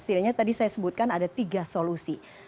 setidaknya tadi saya sebutkan ada tiga solusi